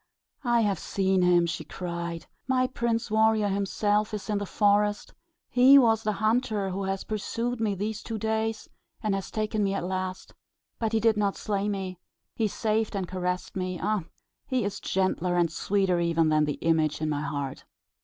"I have seen him!" she cried. "My Prince Warrior is himself in this forest: he was the hunter who has pursued me these two days, and has taken me at last. But he did not slay me: he saved and caressed me. Ah, he is gentler and sweeter even than the image in my heart."